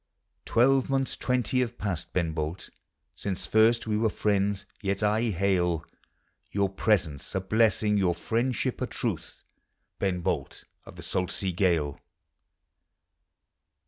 Twelvemonths twenty have past. Ben Bolt, Since Lirst we were friends — yet I hail Your presence a blessing, your friendship a truth, Ben Bolt of the salt sea gale.